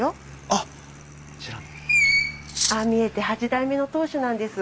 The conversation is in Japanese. ああ見えて八代目の当主なんです。